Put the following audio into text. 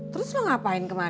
terus lo ngapain kemari